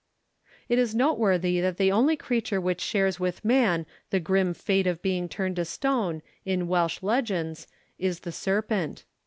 It is noteworthy that the only creature which shares with man the grim fate of being turned to stone, in Welsh legends, is the serpent.